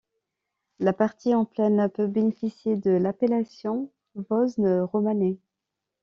La partie en plaine peut bénéficier de l'appellation Vosne-romanée.